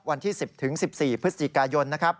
วันที่๑๐๑๔พฤศจิกายนนะครับ